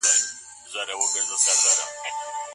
آیا پلار بايد خپله لور په ښه توګه وروزي؟